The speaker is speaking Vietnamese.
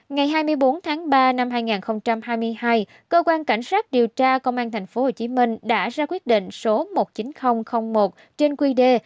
ngày hai mươi bốn tháng ba năm hai nghìn hai mươi hai cơ quan cảnh sát điều tra công an tp hcm đã ra quyết định số một mươi chín nghìn một trên quy đê